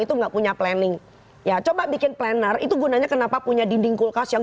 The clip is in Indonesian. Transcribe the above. itu enggak punya planning ya coba bikin planner itu gunanya kenapa punya dinding kulkas yang